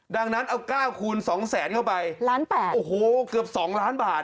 ดังนั้นเอา๙คูณสองแสนเข้าไปล้านแปดโอ้โหเกือบ๒ล้านบาท